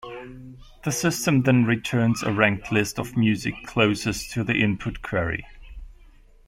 The system then returns a ranked list of music closest to the input query.